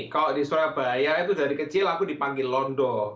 kalau di surabaya itu dari kecil aku dipanggil londo